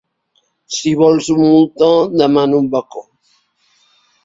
Si vols un moltó, demana un bacó.